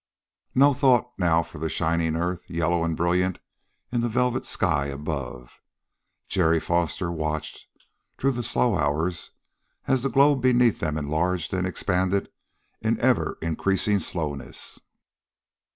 No thought now for the shining earth, yellow and brilliant in the velvet sky above. Jerry Foster watched through the slow hours as the globe beneath them enlarged and expanded in ever increasing slowness.